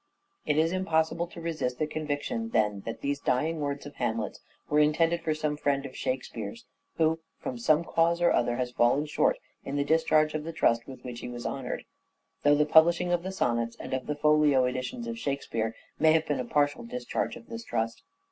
It is impossible to resist the conviction, then, that these dying words of Hamlet's were intended for some friend of " Shakespeare's," who, from some cause or other, has fallen short in the discharge of the trust with which he was honoured ; though the publishing of the sonnets, and of the folio editions of Shakespeare, may have been a partial discharge of this trust.